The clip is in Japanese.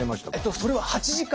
それは８時間。